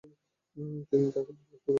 তিনি তাকেই বিপ্লব-গুরু হিসেবে গ্রহণ করেন।